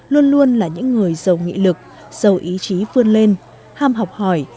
luôn luôn là những người giàu nghị lực giàu ý chí vươn lên ham học hỏi